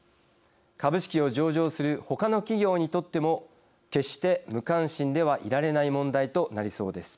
株式を上場する他の企業にとっても決して無関心ではいられない問題となりそうです。